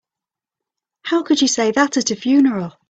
How could you say that at the funeral?